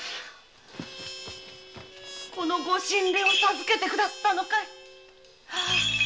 このご神鈴を授けてくださったのかい？